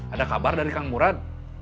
ada kabar dari kang murad